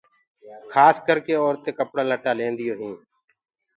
کاس ڪرِڪي اورتينٚ ڪپڙآ لٽآ ليديٚونٚ هينٚ